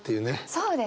そうですね！